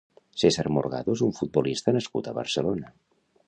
César Morgado és un futbolista nascut a Barcelona.